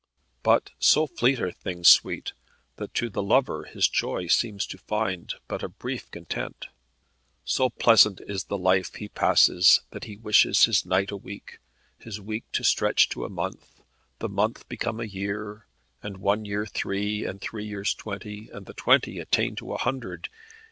But so fleet are things sweet, that to the lover his joy seems to find but a brief content. So pleasant is the life he passes that he wishes his night a week, his week to stretch to a month, the month become a year, and one year three, and three years twenty, and the twenty attain to a hundred.